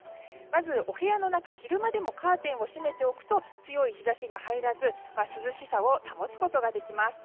まずお部屋の中昼間でもカーテンを閉めておくと強い日差しが入らず涼しさを保つことができます。